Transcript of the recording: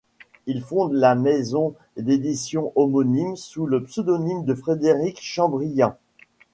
Il fonde la maison d'éditions homonyme sous le pseudonyme de Frédéric Chambriand.